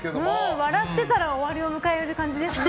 笑ってたら終わりを迎える感じですね。